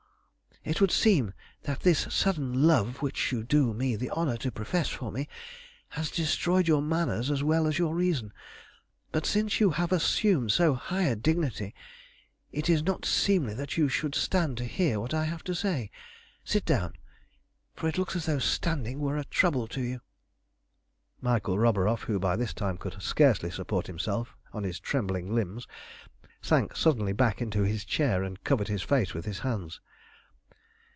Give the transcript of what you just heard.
"It would seem that this sudden love which you do me the honour to profess for me has destroyed your manners as well as your reason. But since you have assumed so high a dignity, it is not seemly that you should stand to hear what I have to say; sit down, for it looks as though standing were a trouble to you." Michael Roburoff, who by this time could scarcely support himself on his trembling limbs, sank suddenly back into his chair and covered his face with his hands.